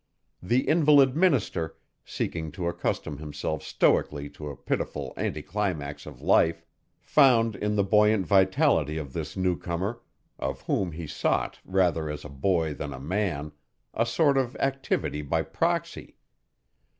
The invalid minister, seeking to accustom himself stoically to a pitiful anticlimax of life, found in the buoyant vitality of this newcomer of whom he thought rather as a boy than a man a sort of activity by proxy.